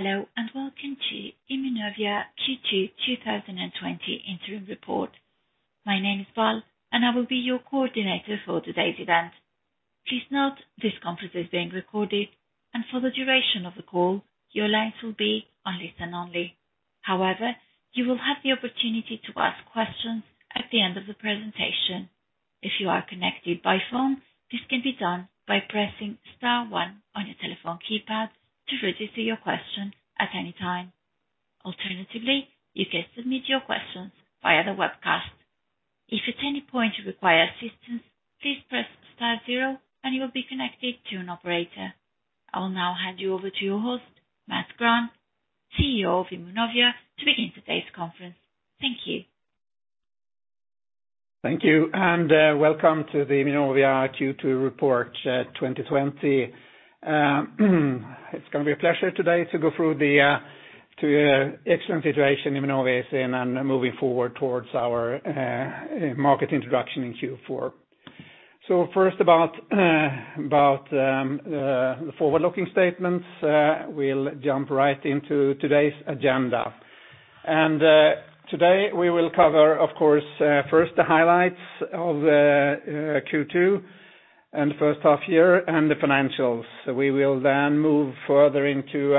Hello, welcome to Immunovia Q2 2020 interim report. My name is Val. I will be your coordinator for today's event. Please note this conference is being recorded. For the duration of the call, your lines will be on listen only. You will have the opportunity to ask questions at the end of the presentation. If you are connected by phone, this can be done by pressing star one on your telephone keypad to register your question at any time. Alternatively, you can submit your questions via the webcast. If at any point you require assistance, please press star zero. You will be connected to an operator. I will now hand you over to your host, Mats Grahn, CEO of Immunovia, to begin today's conference. Thank you. Thank you. Welcome to the Immunovia Q2 report 2020. It's going to be a pleasure today to go through the excellent situation Immunovia is in, moving forward towards our market introduction in Q4. First about the forward-looking statements. We'll jump right into today's agenda. Today we will cover, of course, first the highlights of Q2, the first half year, and the financials. We will move further into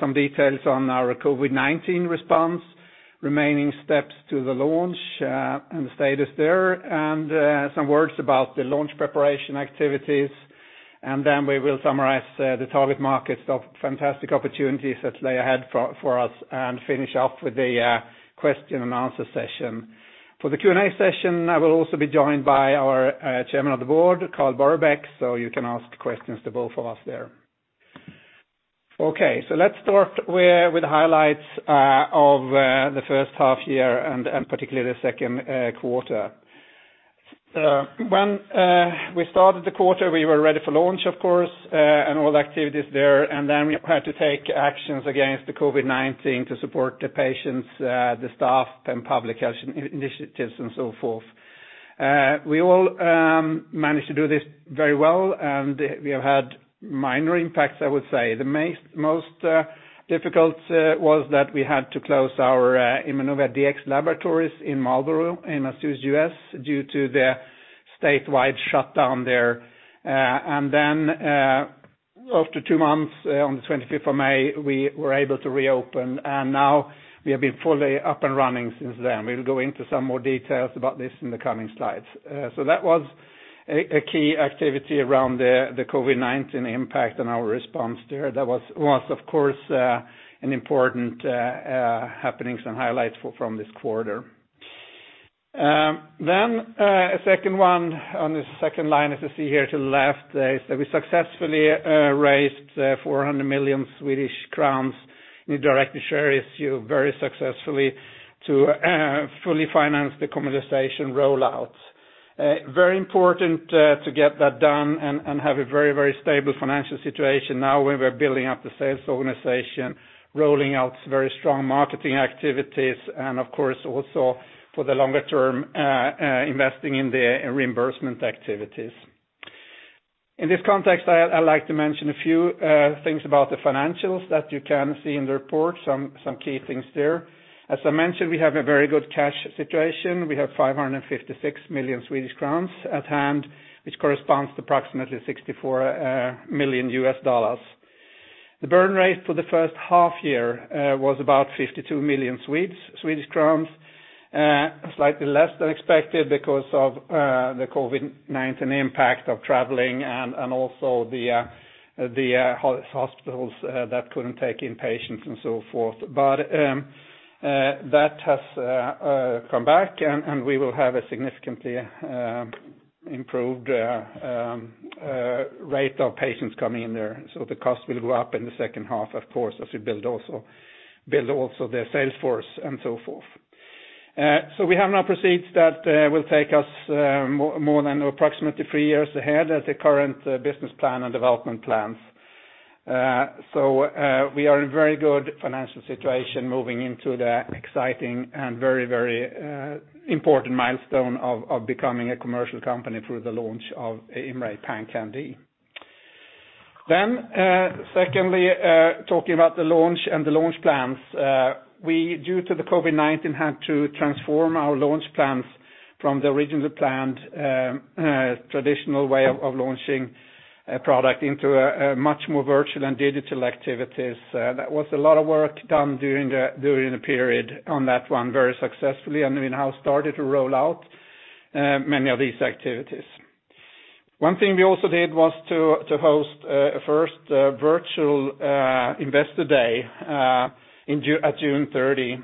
some details on our COVID-19 response, remaining steps to the launch, the status there, and some words about the launch preparation activities. We will summarize the target markets of fantastic opportunities that lay ahead for us, and finish up with the question and answer session. For the Q&A session, I will also be joined by our Chairman of the Board, Carl Borrebaeck. You can ask questions to both of us there. Okay. Let's start with the highlights of the first half year and particularly the second quarter. When we started the quarter, we were ready for launch, of course, all activities there. We had to take actions against the COVID-19 to support the patients, the staff, and public health initiatives and so forth. We all managed to do this very well. We have had minor impacts, I would say. The most difficult was that we had to close our Immunovia Dx laboratories in Marlborough, Massachusetts, U.S., due to the statewide shutdown there. After two months, on May 25th, we were able to reopen. Now we have been fully up and running since then. We'll go into some more details about this in the coming slides. That was a key activity around the COVID-19 impact and our response there. That was, of course, an important happenings and highlights from this quarter. A second one on the second line as you see here to the left, is that we successfully raised 400 million Swedish crowns in a direct share issue very successfully to fully finance the commoditization rollout. Very important to get that done, have a very stable financial situation now when we're building up the sales organization, rolling out very strong marketing activities, and of course, also for the longer term, investing in the reimbursement activities. In this context, I'd like to mention a few things about the financials that you can see in the report, some key things there. As I mentioned, we have a very good cash situation. We have 556 million Swedish crowns at hand, which corresponds to approximately $64 million. The burn rate for the first half year was about 52 million. Slightly less than expected because of the COVID-19 impact of traveling and also the hospitals that couldn't take in patients and so forth. That has come back and we will have a significantly improved rate of patients coming in there. The cost will go up in the second half, of course, as we build also the sales force and so forth. We have now proceeds that will take us more than approximately 3 years ahead at the current business plan and development plans. We are in a very good financial situation moving into the exciting and very important milestone of becoming a commercial company through the launch of IMMray PanCan-d. Secondly, talking about the launch and the launch plans. We, due to the COVID-19, had to transform our launch plans from the originally planned traditional way of launching a product into a much more virtual and digital activities. That was a lot of work done during the period on that one very successfully, and we now started to roll out many of these activities. One thing we also did was to host a first virtual investor day at June 30.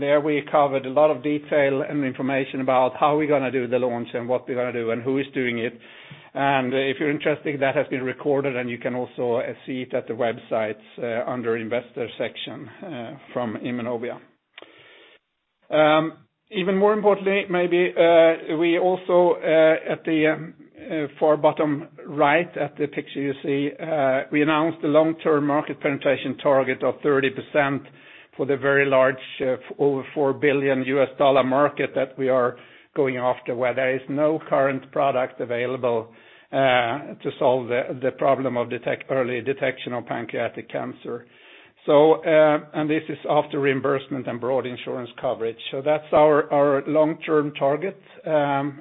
There we covered a lot of detail and information about how we're going to do the launch and what we're going to do and who is doing it. If you're interested, that has been recorded and you can also see it at the websites under investor section from Immunovia. Even more importantly maybe, we also at the far bottom right at the picture you see, we announced the long-term market penetration target of 30%. For the very large over $4 billion U.S. market that we are going after, where there is no current product available to solve the problem of early detection of pancreatic cancer. This is after reimbursement and broad insurance coverage. That's our long-term target, and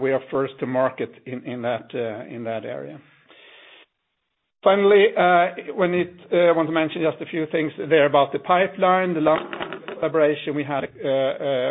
we are first to market in that area. Finally, I want to mention just a few things there about the pipeline. The last collaboration we had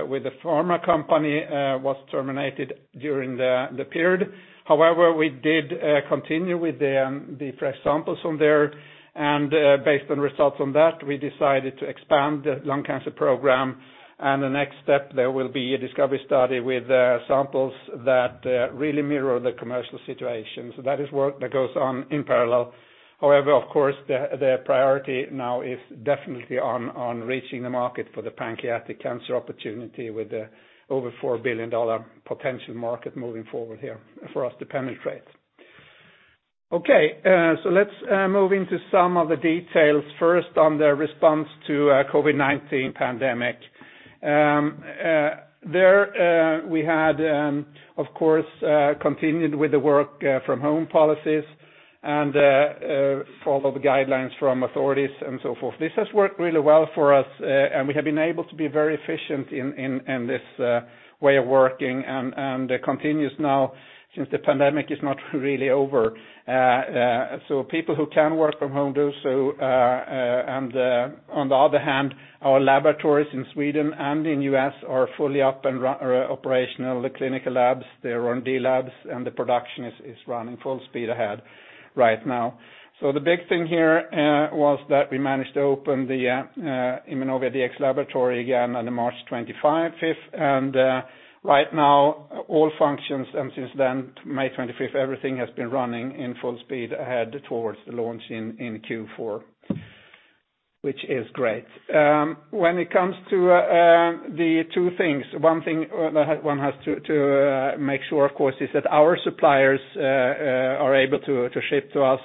with the pharma company was terminated during the period. However, we did continue with the fresh samples from there, and based on results from that, we decided to expand the lung cancer program. The next step there will be a discovery study with samples that really mirror the commercial situation. That is work that goes on in parallel. However, of course, the priority now is definitely on reaching the market for the pancreatic cancer opportunity with the over $4 billion potential market moving forward here for us to penetrate. Okay. Let's move into some of the details first on the response to COVID-19 pandemic. There, we had, of course, continued with the work from home policies and follow the guidelines from authorities and so forth. This has worked really well for us, and we have been able to be very efficient in this way of working, and continues now since the pandemic is not really over. People who can work from home do so. On the other hand, our laboratories in Sweden and in U.S. are fully up and operational. The clinical labs, the R&D labs, and the production is running full speed ahead right now. The big thing here was that we managed to open the Immunovia Dx laboratory again on March 25th. Right now, all functions, and since then, May 25th, everything has been running in full speed ahead towards the launch in Q4, which is great. When it comes to the two things, one thing one has to make sure, of course, is that our suppliers are able to ship to us.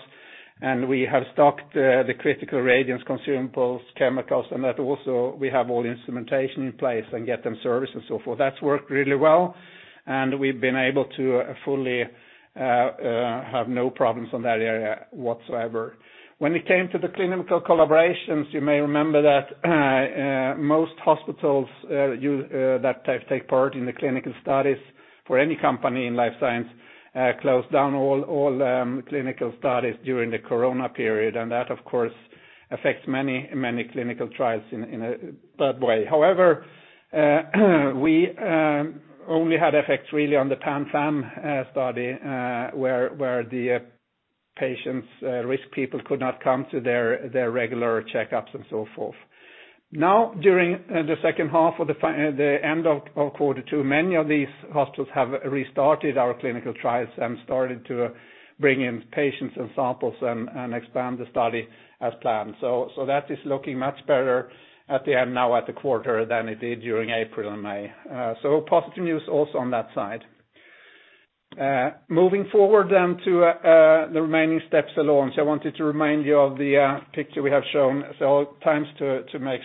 We have stocked the critical reagents consumables, chemicals, and that also we have all the instrumentation in place and get them serviced and so forth. That's worked really well, and we've been able to fully have no problems on that area whatsoever. When it came to the clinical collaborations, you may remember that most hospitals that take part in the clinical studies for any company in life science closed down all clinical studies during the coronavirus period, and that, of course, affects many clinical trials in that way. However, we only had effects really on the PanFAM-1 study, where the patients, risk people could not come to their regular checkups and so forth. Now during the second half or the end of quarter two, many of these hospitals have restarted our clinical trials and started to bring in patients and samples and expand the study as planned. That is looking much better at the end now at the quarter than it did during April and May. Positive news also on that side. Moving forward then to the remaining steps along. I wanted to remind you of the picture we have shown. Times to make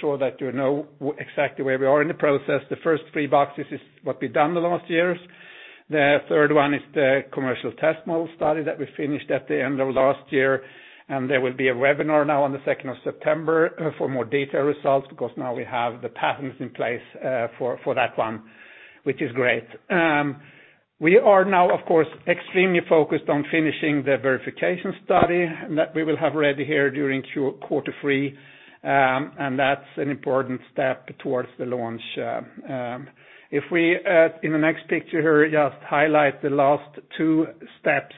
sure that you know exactly where we are in the process. The first three boxes is what we've done the last years. The third one is the Commercial Test Model Study that we finished at the end of last year, and there will be a webinar now on the 2nd of September for more data results, because now we have the patents in place for that one, which is great. We are now, of course, extremely focused on finishing the verification study that we will have ready here during quarter three, and that's an important step towards the launch. If we, in the next picture here, just highlight the last two steps,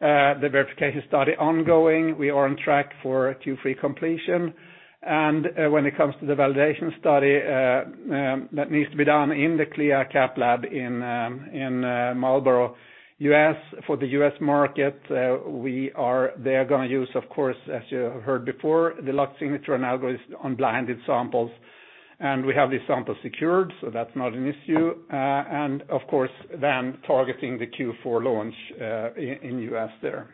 the verification study ongoing. We are on track for Q3 completion. When it comes to the validation study, that needs to be done in the CLIA CAP lab in Marlborough, U.S. For the U.S. market, they are going to use, of course, as you have heard before, the Lux Signature algorithm on blinded samples. We have these samples secured, so that's not an issue. Of course then targeting the Q4 launch in U.S. there.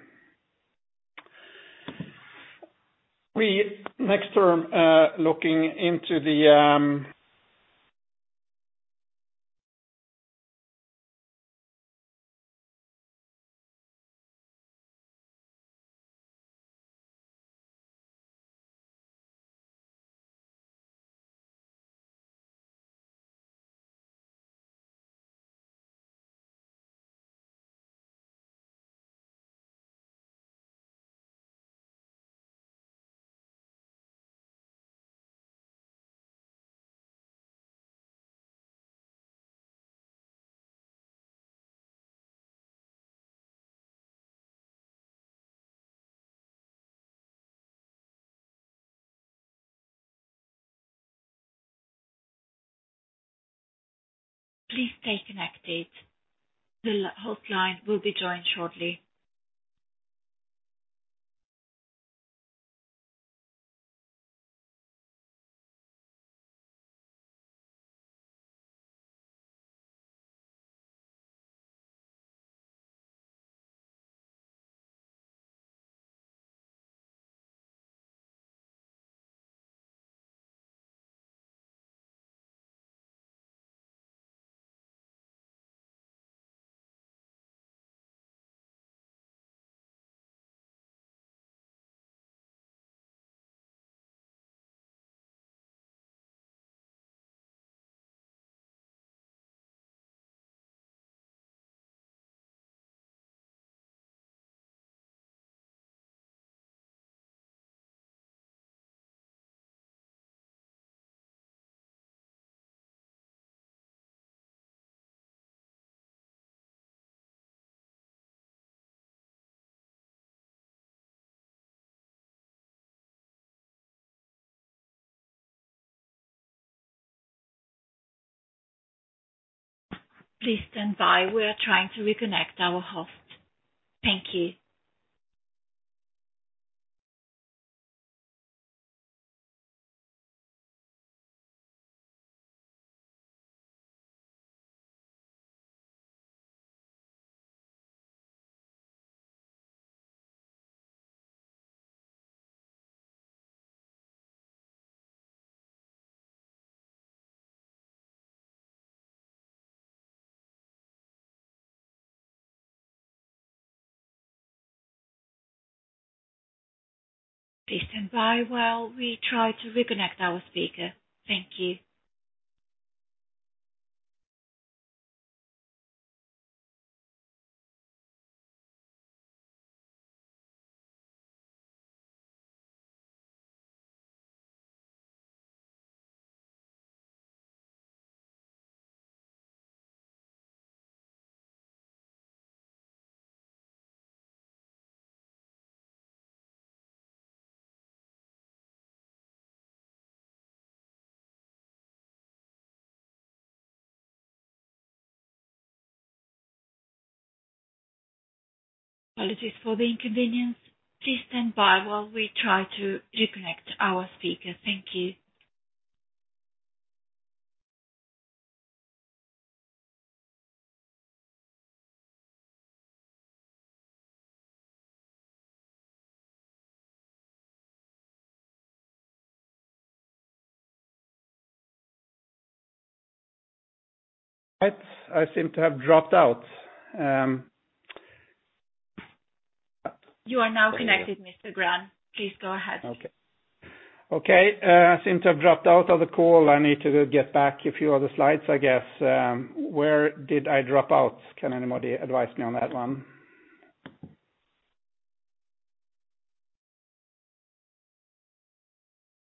Please stay connected. The host line will be joined shortly. Please stand by. We are trying to reconnect our host. Thank you. Please stand by while we try to reconnect our speaker. Thank you. Apologies for the inconvenience. Please stand by while we try to reconnect our speaker. Thank you. I seem to have dropped out. You are now connected, Mats Grahn. Please go ahead. Okay. I seem to have dropped out of the call. I need to get back a few of the slides, I guess. Where did I drop out? Can anybody advise me on that one?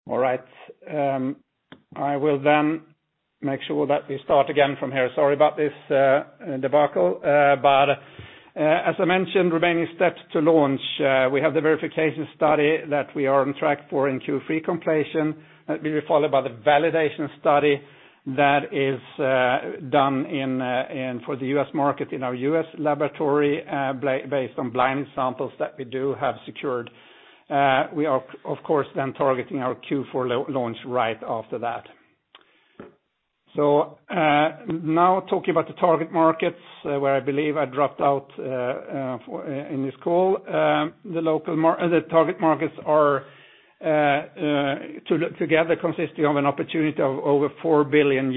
All right. I will make sure that we start again from here. Sorry about this debacle. As I mentioned, remaining steps to launch. We have the verification study that we are on track for in Q3 completion. That will be followed by the validation study that is done for the U.S. market in our U.S. laboratory, based on blind samples that we do have secured. We are, of course, targeting our Q4 launch right after that. Now talking about the target markets, where I believe I dropped out in this call. The target markets together consisting of an opportunity of over $4 billion.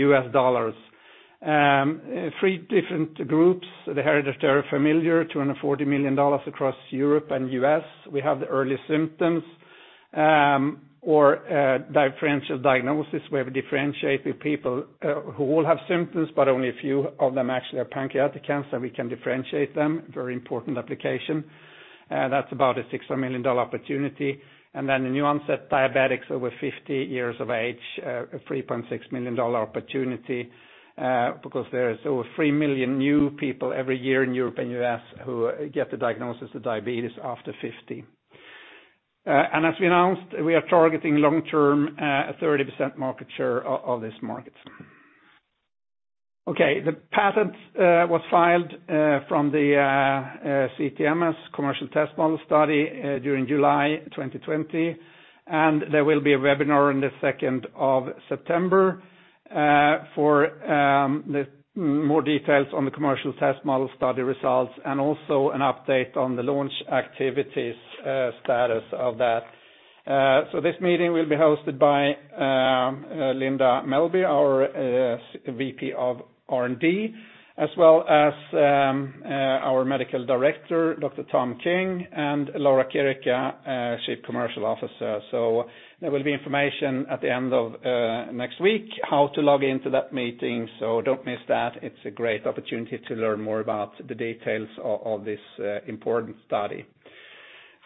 Three different groups. Hereditary familial, SEK 240 million across Europe and the U.S. We have the early symptoms or differential diagnosis. We have differentiating people who all have symptoms, but only a few of them actually have pancreatic cancer. We can differentiate them. Very important application. That's about a SEK 600 million opportunity. The onset diabetics over 50 years of age, a $3.6 million opportunity, because there is over 3 million new people every year in Europe and the U.S. who get the diagnosis of diabetes after 50. As we announced, we are targeting long-term 30% market share of this market. Okay. The patent was filed from the CTMS Commercial Test Model Study during July 2020. There will be a webinar on the 2nd of September for more details on the Commercial Test Model Study results and also an update on the launch activities status of that. This meeting will be hosted by Linda Mellby, our VP of R&D, as well as our Medical Director, Dr. Tom King, and Laura Chirica, Chief Commercial Officer. There will be information at the end of next week how to log into that meeting. Don't miss that. It's a great opportunity to learn more about the details of this important study.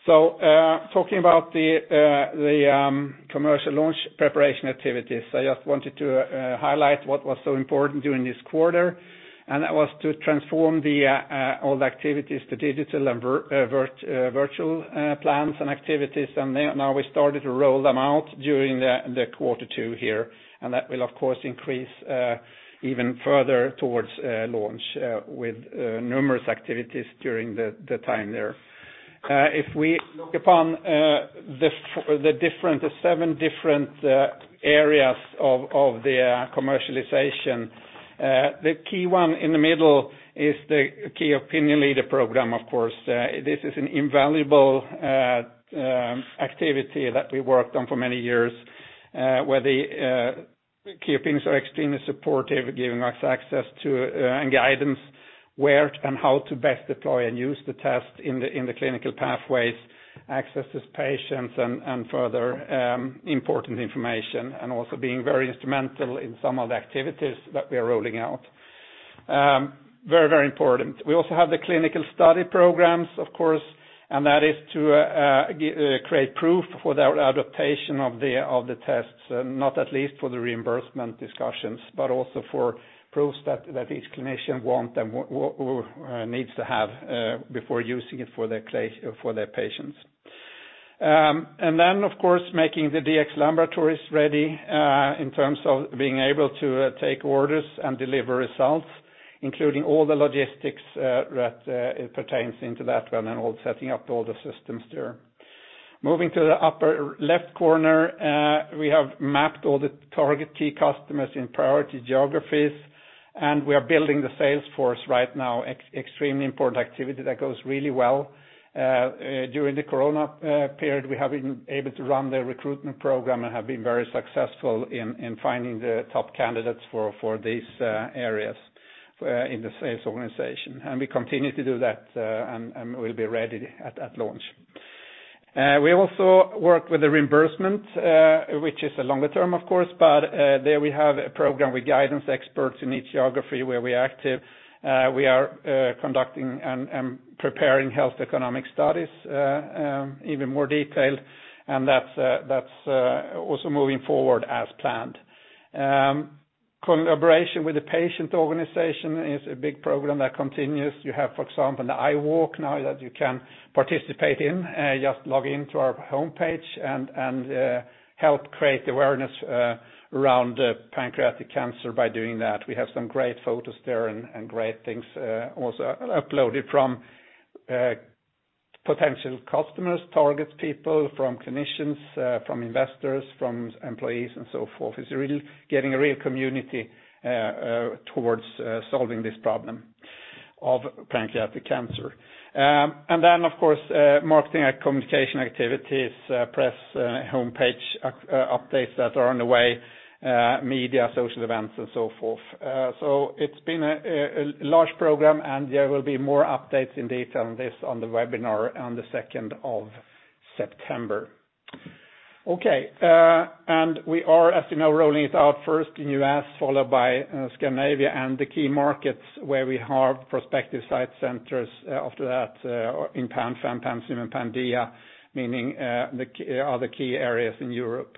Talking about the commercial launch preparation activities, I just wanted to highlight what was so important during this quarter. That was to transform all the activities to digital and virtual plans and activities. Now we started to roll them out during the quarter two here. That will, of course, increase even further towards launch with numerous activities during the time there. If we look upon the seven different areas of the commercialization. The key one in the middle is the key opinion leader program, of course. This is an invaluable activity that we worked on for many years, where the key opinions are extremely supportive, giving us access to and guidance where and how to best deploy and use the test in the clinical pathways, access to patients and further important information. Also being very instrumental in some of the activities that we are rolling out. Very important. We also have the clinical study programs, of course. That is to create proof for the adaptation of the tests, not at least for the reimbursement discussions, but also for proofs that each clinician want and needs to have before using it for their patients. Of course, making the DX laboratories ready, in terms of being able to take orders and deliver results, including all the logistics that pertains into that one and all setting up all the systems there. Moving to the upper left corner, we have mapped all the target key customers in priority geographies. We are building the sales force right now. Extremely important activity that goes really well. During the coronavirus period, we have been able to run the recruitment program. Have been very successful in finding the top candidates for these areas in the sales organization. We continue to do that. Will be ready at launch. We also work with the reimbursement, which is a longer term, of course. There we have a program with guidance experts in each geography where we are active. We are conducting and preparing health economic studies, even more detailed, that is also moving forward as planned. Collaboration with the patient organization is a big program that continues. You have, for example, the iWalk now that you can participate in. Just log into our homepage and help create awareness around pancreatic cancer by doing that. We have some great photos there and great things also uploaded from potential customers, target people, from clinicians, from investors, from employees and so forth. It is really getting a real community towards solving this problem of pancreatic cancer. Then, of course, marketing and communication activities, press homepage updates that are on the way, media, social events, and so forth. It has been a large program and there will be more updates in detail on this on the webinar on the 2nd of September. Okay. We are, as you know, rolling it out first in U.S., followed by Scandinavia and the key markets where we have prospective site centers after that in PanFAM-1, PanSYM-1, and PanDIA-1, meaning the other key areas in Europe.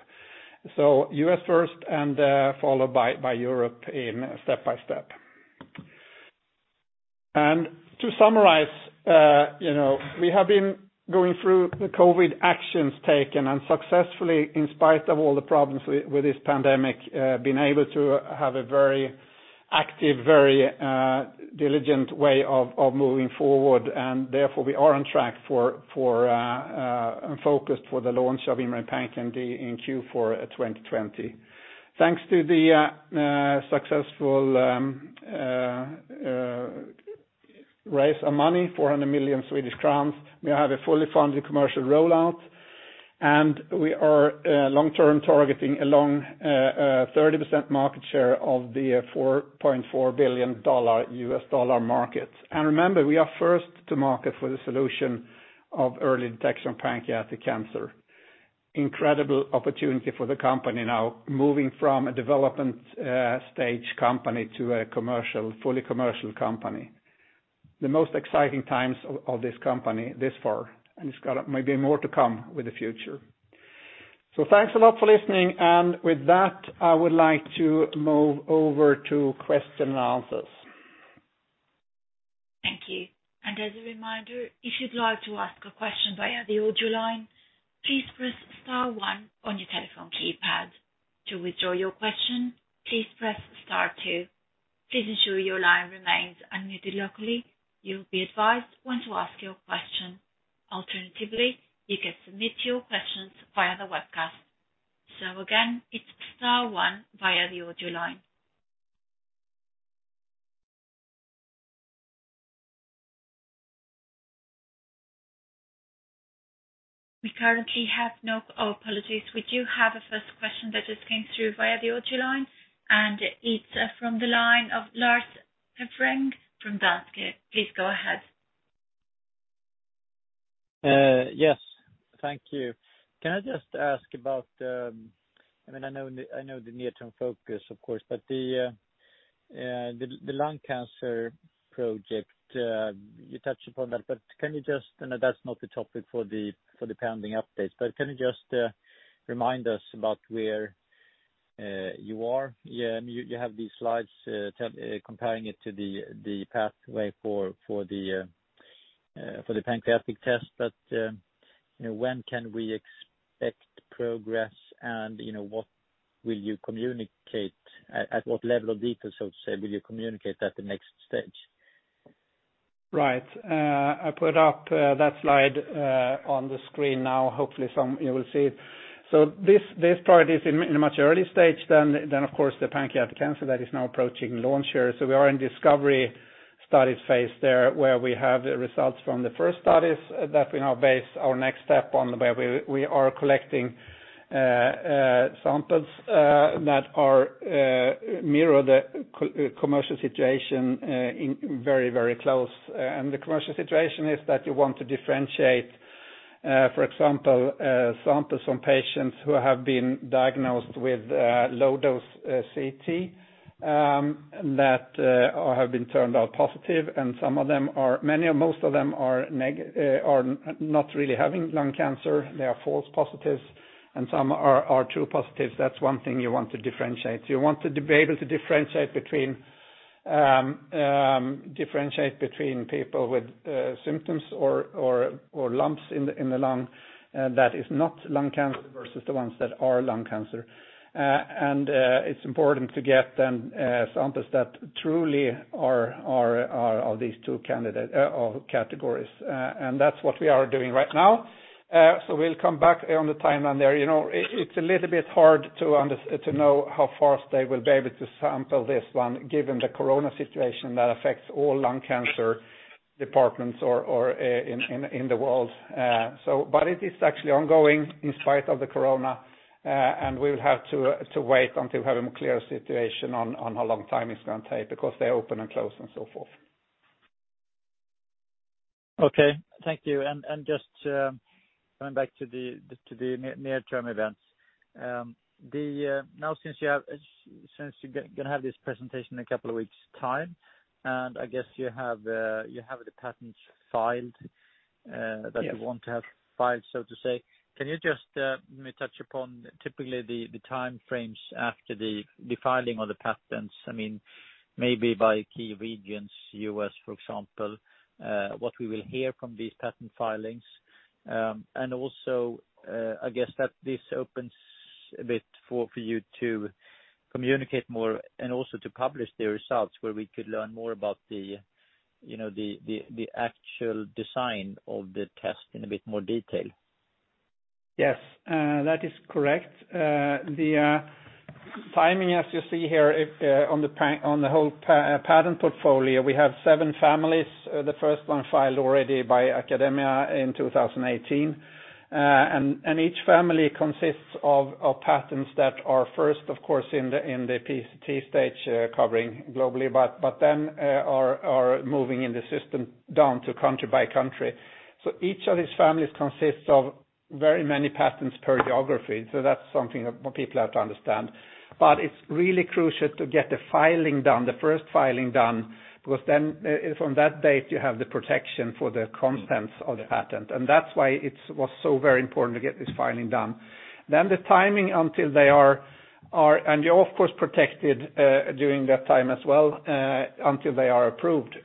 U.S. first and followed by Europe in step by step. To summarize, we have been going through the COVID actions taken and successfully, in spite of all the problems with this pandemic, been able to have a very active, very diligent way of moving forward. Therefore, we are on track for and focused for the launch of IMMray PanCan-d in Q4 2020. Thanks to the successful raise of money, 400 million Swedish crowns, we have a fully funded commercial rollout. We are long-term targeting a 30% market share of the $4.4 billion market. Remember, we are first to market for the solution of early detection of pancreatic cancer. Incredible opportunity for the company now, moving from a development stage company to a fully commercial company. The most exciting times of this company this far, and it has got maybe more to come with the future. Thanks a lot for listening. With that, I would like to move over to question and answers. Thank you. As a reminder, if you would like to ask a question via the audio line, please press star one on your telephone keypad. To withdraw your question, please press star two. Please ensure your line remains unmuted locally. You will be advised when to ask your question. Alternatively, you can submit your questions via the webcast. Again, it is star one via the audio line. We currently have no Oh, apologies. We do have a first question that just came through via the audio line, and it is from the line of Lars Hevreng from Danske Bank. Please go ahead. Yes. Thank you. Can I just ask about the I know the near-term focus, of course, but the lung cancer project, you touched upon that, but can you just, and that's not the topic for the pending updates, but can you just remind us about where you are? You have these slides comparing it to the pathway for the pancreatic test. When can we expect progress, and what will you communicate, at what level of detail, so to say, will you communicate that the next stage? Right. I put up that slide on the screen now. Hopefully, some of you will see it. This product is in a much early stage than, of course, the pancreatic cancer that is now approaching launch here. We are in discovery studies phase there, where we have the results from the first studies that we now base our next step on, where we are collecting samples that mirror the commercial situation very close. The commercial situation is that you want to differentiate, for example, samples from patients who have been diagnosed with low-dose CT that have been turned out positive, and most of them are not really having lung cancer. They are false positives, and some are true positives. That's one thing you want to differentiate. You want to be able to differentiate between people with symptoms or lumps in the lung that is not lung cancer versus the ones that are lung cancer. It's important to get them samples that truly are of these two categories. That's what we are doing right now. We'll come back on the timeline there. It's a little bit hard to know how fast they will be able to sample this one, given the corona situation that affects all lung cancer departments in the world. It is actually ongoing in spite of the corona. We will have to wait until we have a more clear situation on how long time it's going to take because they open and close and so forth. Okay. Thank you. Just going back to the near-term events. Since you're going to have this presentation in a couple of weeks' time, I guess you have the patents filed- Yes that you want to have filed, so to say. Can you just maybe touch upon typically the time frames after the filing of the patents, maybe by key regions, U.S., for example, what we will hear from these patent filings? I guess that this opens a bit for you to communicate more and also to publish the results where we could learn more about the actual design of the test in a bit more detail. Yes, that is correct. The timing, as you see here, on the whole patent portfolio, we have seven families. The first one filed already by Academia in 2018. Each family consists of patents that are first, of course, in the PCT stage, covering globally, but then are moving in the system down to country by country. Each of these families consists of very many patents per geography. That's something what people have to understand. It's really crucial to get the first filing done, because then from that date, you have the protection for the contents of the patent. That's why it was so very important to get this filing done. The timing until they are, and you're of course protected during that time as well, until they are approved,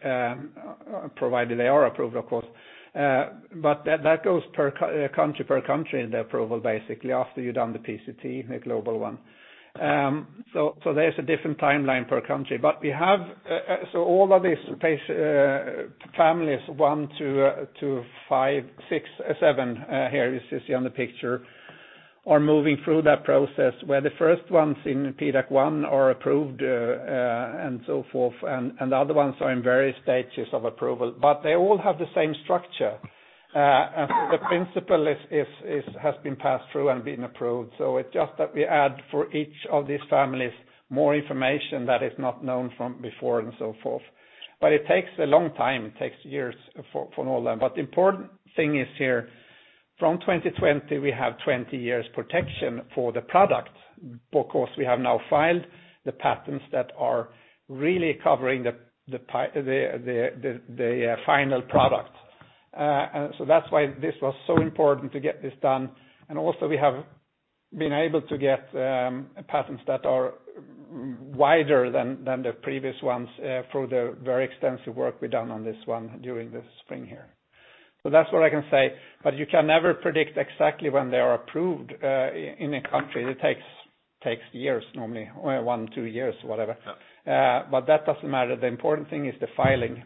provided they are approved, of course. That goes country per country, the approval, basically, after you've done the PCT, the global one. There's a different timeline per country. All of these families, 1 to 7, here as you see on the picture, are moving through that process where the first ones in PDAC are approved, and so forth, and the other ones are in various stages of approval. They all have the same structure. The principle has been passed through and been approved. It's just that we add for each of these families more information that is not known from before and so forth. It takes a long time. It takes years for all of them. The important thing is here, from 2020, we have 20 years protection for the product because we have now filed the patents that are really covering the final product. That's why this was so important to get this done, and also we have been able to get patents that are wider than the previous ones through the very extensive work we've done on this one during the spring here. That's what I can say, but you can never predict exactly when they are approved in a country. It takes years normally, one, two years, whatever. Yeah. That doesn't matter. The important thing is the filing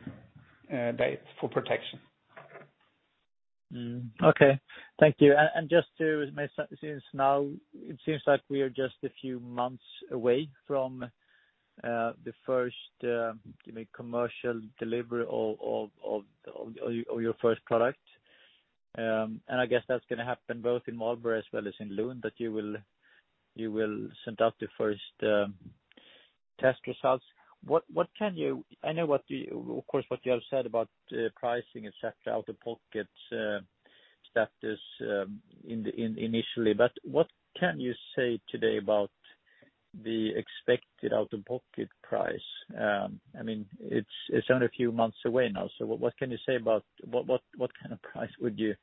date for protection. Okay. Thank you. Since now it seems like we are just a few months away from the first commercial delivery of your first product. I guess that's going to happen both in Marlborough as well as in Lund, that you will send out the first test results. I know, of course, what you have said about pricing, et cetera, out-of-pocket status initially. What can you say today about the expected out-of-pocket price? It's only a few months away now, what kind of price would you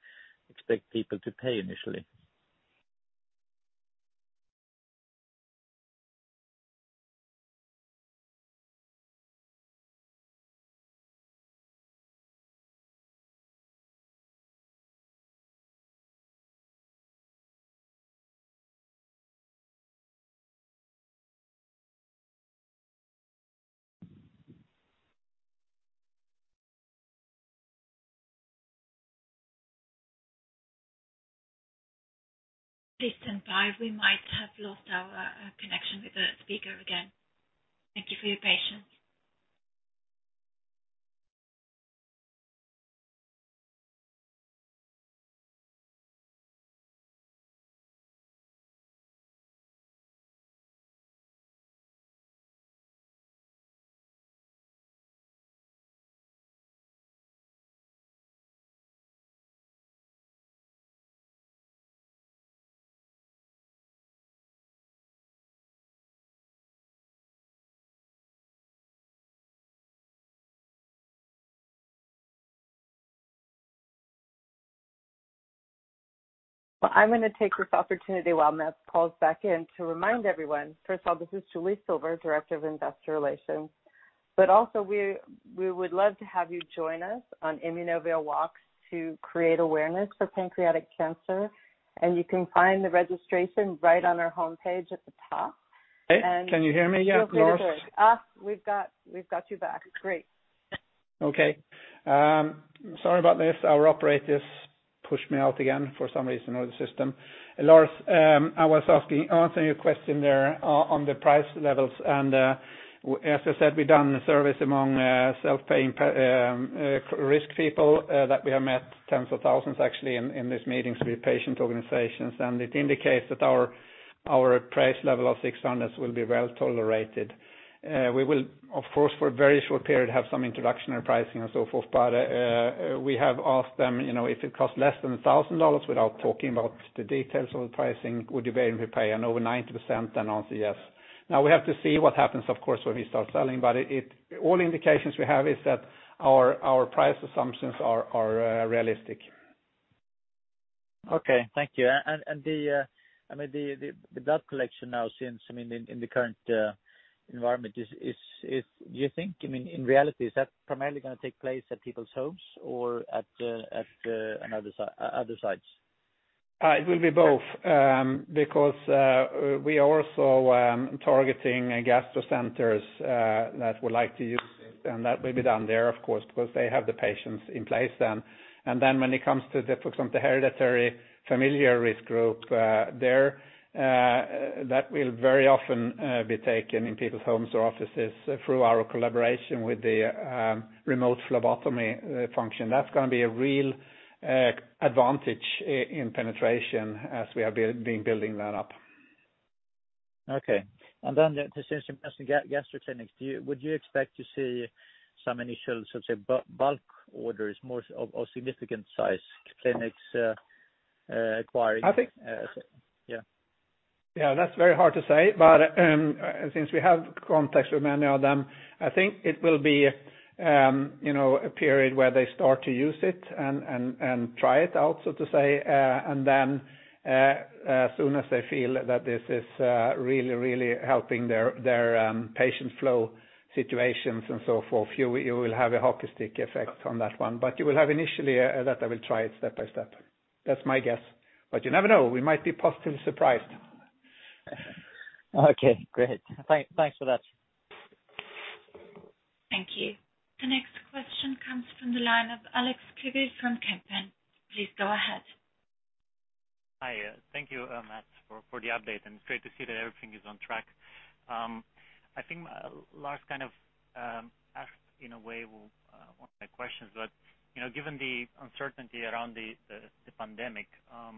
expect people to pay initially? Please stand by. We might have lost our connection with the speaker again. Thank you for your patience. Well, I'm going to take this opportunity while Mats calls back in to remind everyone. First of all, this is Julie Silver, Director of Investor Relations. Also we would love to have you join us on Immunovia Walks to create awareness for pancreatic cancer, you can find the registration right on our homepage at the top. Hey, can you hear me yet, Lars? We've got you back. Great. Okay. Sorry about this. Our operator pushed me out again for some reason or the system. Lars, I was answering your question there on the price levels. As I said, we've done service among self-paying risk people that we have met, tens of thousands actually in these meetings with patient organizations. It indicates that our price level of 600 will be well-tolerated. We will, of course, for a very short period, have some introductory pricing and so forth. We have asked them, if it costs less than SEK 1,000 without talking about the details of the pricing, would you be willing to pay? Over 90% answer yes. Now we have to see what happens, of course, when we start selling. All indications we have is that our price assumptions are realistic. Okay. Thank you. The blood collection now, since in the current environment, do you think, in reality, is that primarily going to take place at people's homes or at other sites? It will be both, because we are also targeting gastro centers that would like to use it, and that will be done there, of course, because they have the patients in place then. When it comes to, for example, the hereditary familial risk group, that will very often be taken in people's homes or offices through our collaboration with the remote phlebotomy function. That's going to be a real advantage in penetration as we have been building that up. Okay. Since you mentioned gastro clinics, would you expect to see some initial bulk orders, more of significant size clinics acquiring? I think- Yeah. Yeah, that's very hard to say, since we have contacts with many of them, I think it will be a period where they start to use it and try it out, so to say, as soon as they feel that this is really helping their patient flow situations and so forth, you will have a hockey stick effect on that one. You will have initially that they will try it step by step. That's my guess. You never know. We might be positively surprised. Okay, great. Thanks for that. Thank you. The next question comes from the line of Alex Klivie from Kempen. Please go ahead. Hi. Thank you, Mats, for the update, and it's great to see that everything is on track. I think Lars kind of asked in a way one of my questions, but given the uncertainty around the pandemic. Yeah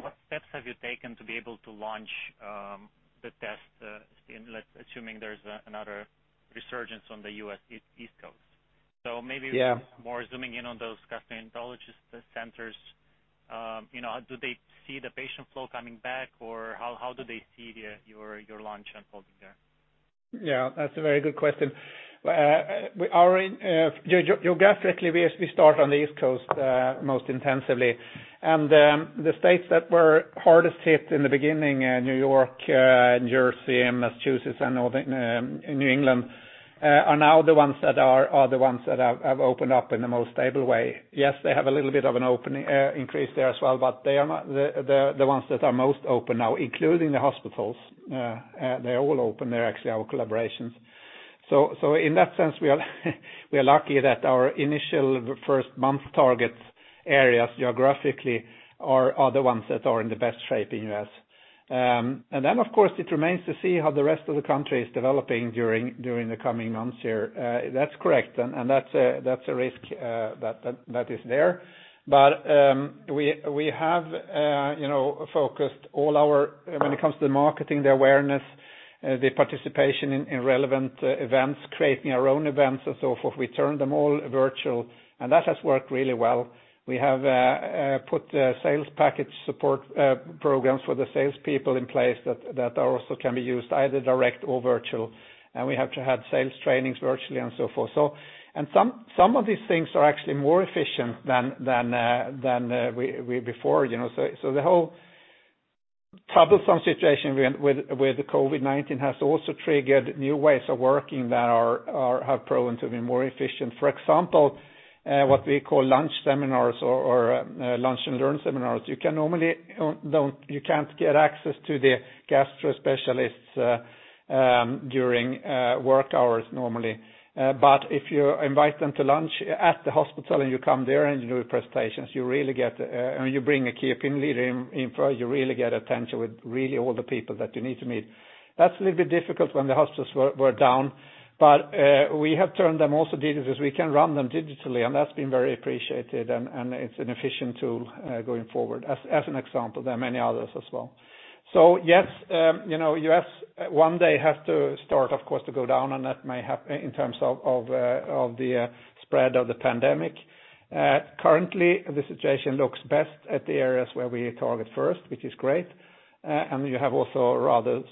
What steps have you taken to be able to launch the test, assuming there's another resurgence on the U.S. East Coast? Yeah More zooming in on those gastroenterologist centers. Do they see the patient flow coming back, or how do they see your launch unfolding there? Yeah, that's a very good question. Geographically, we start on the East Coast, most intensively. The states that were hardest hit in the beginning, New York, Jersey, Massachusetts, and New England, are now the ones that have opened up in the most stable way. Yes, they have a little bit of an increase there as well, they are the ones that are most open now, including the hospitals. They're all open. They're actually our collaborations. In that sense, we are lucky that our initial first-month target areas geographically are the ones that are in the best shape in U.S. Then, of course, it remains to see how the rest of the country is developing during the coming months here. That's correct. That's a risk that is there. We have focused all our, when it comes to the marketing, the awareness, the participation in relevant events, creating our own events and so forth. We turned them all virtual, and that has worked really well. We have put sales package support programs for the salespeople in place that also can be used either direct or virtual. We have to have sales trainings virtually and so forth. Some of these things are actually more efficient than before. The whole troublesome situation with COVID-19 has also triggered new ways of working that have proven to be more efficient. For example, what we call lunch seminars or lunch and learn seminars. You can't get access to the gastro specialists during work hours normally. If you invite them to lunch at the hospital, you come there and do presentations, you bring a key opinion leader in for, you really get attention with really all the people that you need to meet. That's a little bit difficult when the hospitals were down. We have turned them also digital, because we can run them digitally, and that's been very appreciated, and it's an efficient tool going forward, as an example. There are many others as well. Yes, U.S. one day has to start, of course, to go down, that may happen in terms of the spread of the pandemic. Currently, the situation looks best at the areas where we target first, which is great. You have also rather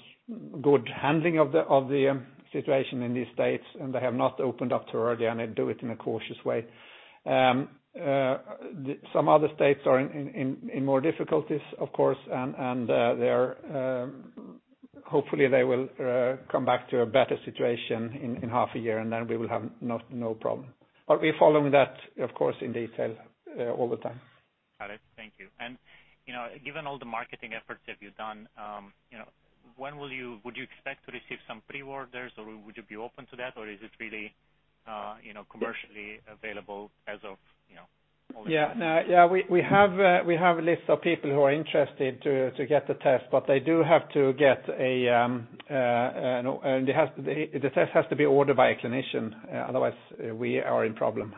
good handling of the situation in these states, and they have not opened up too early, and they do it in a cautious way. Some other states are in more difficulties, of course, and hopefully, they will come back to a better situation in half a year, and then we will have no problem. We're following that, of course, in detail all the time. Got it. Thank you. Given all the marketing efforts that you've done, when would you expect to receive some pre-orders, or would you be open to that, or is it really commercially available as of now? Yeah. We have a list of people who are interested to get the test, but the test has to be ordered by a clinician. Otherwise, we are in problem.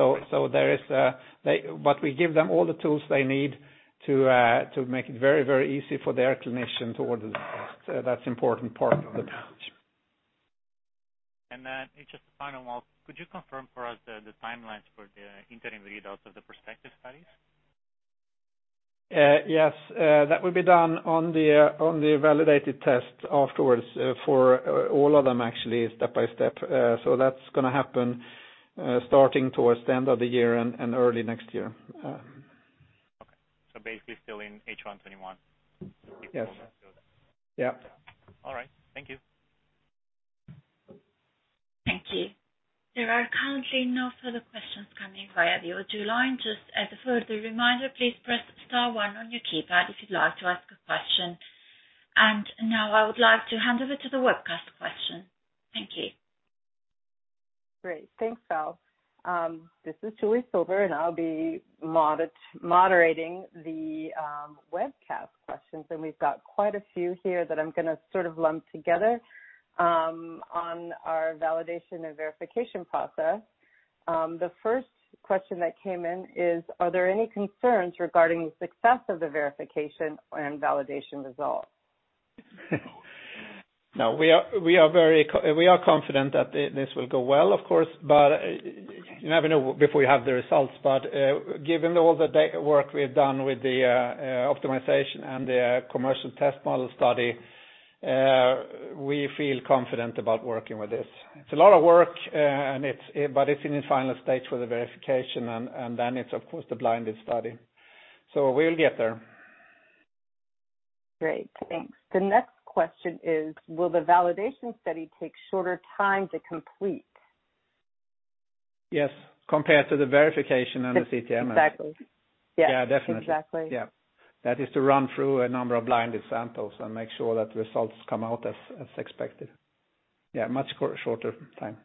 We give them all the tools they need to make it very easy for their clinician to order the test. That's important part of the challenge. Just a final one, could you confirm for us the timelines for the interim readouts of the prospective studies? Yes. That will be done on the validated test afterwards for all of them actually, step by step. That's going to happen starting towards the end of the year and early next year. Okay. Basically still in H1 2021. Yes. All right. Thank you. Thank you. There are currently no further questions coming via the audio line. Just as a further reminder, please press star one on your keypad if you'd like to ask a question. Now I would like to hand over to the webcast question. Thank you. Great. Thanks, Val. This is Julie Silver, I'll be moderating the webcast questions. We've got quite a few here that I'm going to sort of lump together on our validation and verification process. The first question that came in is, are there any concerns regarding the success of the verification and validation results? No. We are confident that this will go well, of course, you never know before you have the results. Given all the work we've done with the optimization and the commercial test model study, we feel confident about working with this. It's a lot of work, but it's in its final stage for the verification, then it's, of course, the blinded study. We'll get there. Great. Thanks. The next question is, will the validation study take shorter time to complete? Yes, compared to the verification and the CTM. Exactly. Yeah, definitely. Exactly. Yeah. That is to run through a number of blinded samples and make sure that results come out as expected. Yeah, much shorter time.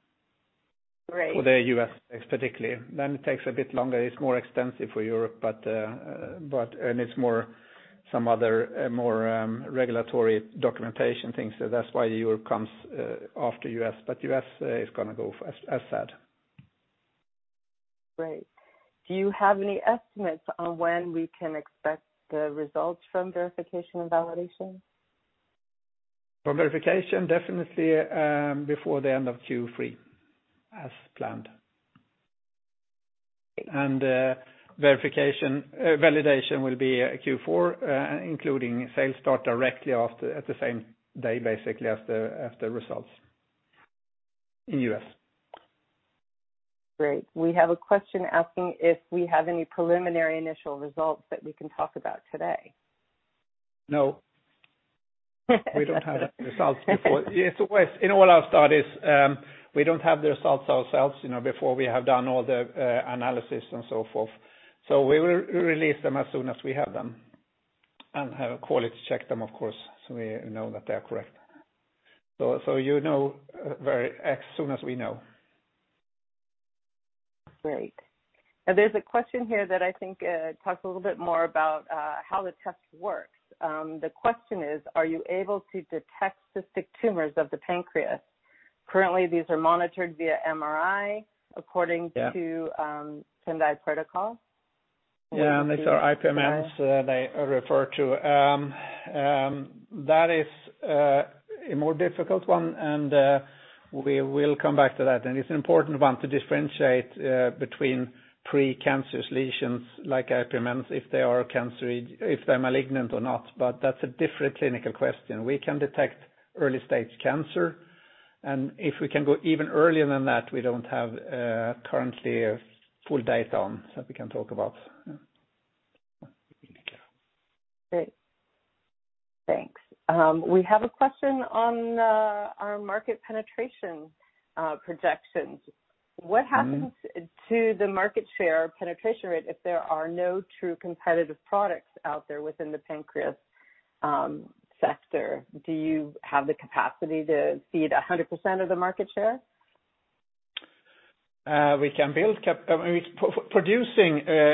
Great. For the U.S., particularly. It takes a bit longer. It's more extensive for Europe, and it's some other more regulatory documentation things. That's why Europe comes after U.S., but U.S. is going to go as said. Great. Do you have any estimates on when we can expect the results from verification and validation? For verification, definitely before the end of Q3 as planned. Validation will be Q4, including sales start directly at the same day, basically, after results in U.S. Great. We have a question asking if we have any preliminary initial results that we can talk about today. No. We don't have the results before. In all our studies, we don't have the results ourselves before we have done all the analysis and so forth. We will release them as soon as we have them, and have quality check them, of course, so we know that they're correct. You'll know as soon as we know. Great. Now there's a question here that I think talks a little bit more about how the test works. The question is, are you able to detect cystic tumors of the pancreas? Currently, these are monitored via MRI according to Fukuoka protocol. Yeah, these are IPMNs they refer to. That is a more difficult one, and we will come back to that. It's an important one to differentiate between pre-cancerous lesions like IPMNs, if they're malignant or not, but that's a different clinical question. We can detect early-stage cancer, if we can go even earlier than that, we don't have currently full data on, so we can't talk about. Great. Thanks. We have a question on our market penetration projections. What happens to the market share penetration rate if there are no true competitive products out there within the pancreas sector? Do you have the capacity to cede 100% of the market share? Producing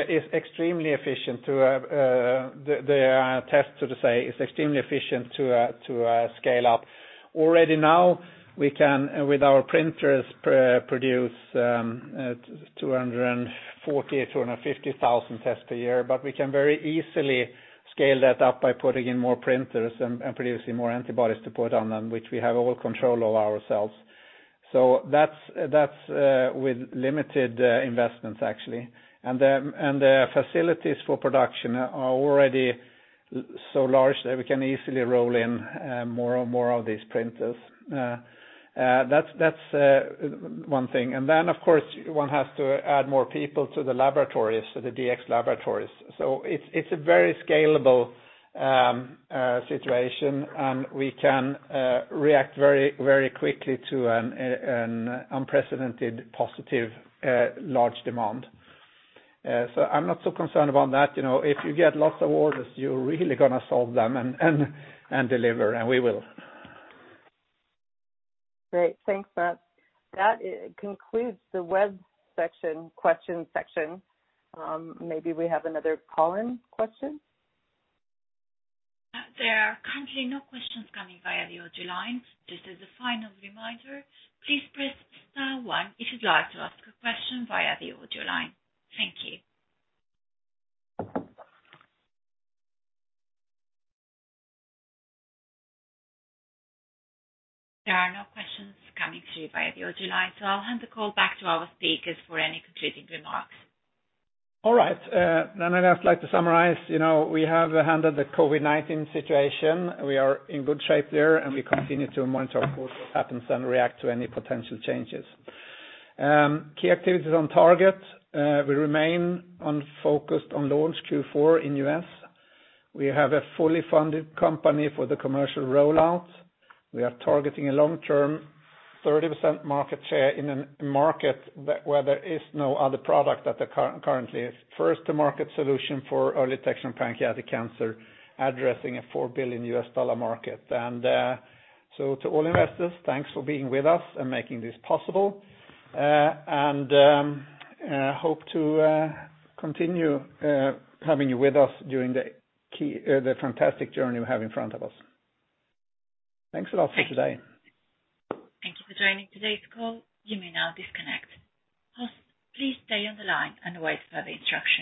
is extremely efficient. The test, so to say, is extremely efficient to scale up. Already now, we can, with our printers, produce 240,000 to 250,000 tests per year. We can very easily scale that up by putting in more printers and producing more antibodies to put on them, which we have all control of ourselves. That's with limited investments, actually. The facilities for production are already so large that we can easily roll in more and more of these printers. That's one thing. Then, of course, one has to add more people to the laboratories, so the Immunovia Dx laboratories. It's a very scalable situation, and we can react very quickly to an unprecedented positive large demand. I'm not so concerned about that. If you get lots of orders, you're really going to solve them and deliver, and we will. Great. Thanks, Mats. That concludes the web question section. Maybe we have another call-in question. There are currently no questions coming via the audio line. This is a final reminder. Please press star one if you'd like to ask a question via the audio line. Thank you. There are no questions coming through via the audio line, so I'll hand the call back to our speakers for any concluding remarks. All right. I'd just like to summarize. We have handled the COVID-19 situation. We are in good shape there, we continue to monitor of course what happens and react to any potential changes. Key activities on target. We remain focused on launch Q4 in U.S. We have a fully funded company for the commercial rollout. We are targeting a long-term 30% market share in a market where there is no other product currently. First to market solution for early detection of pancreatic cancer, addressing a $4 billion market. To all investors, thanks for being with us and making this possible. Hope to continue having you with us during the fantastic journey we have in front of us. Thanks a lot for today. Thank you. Thank you for joining today's call. You may now disconnect. Host, please stay on the line and wait for the instructions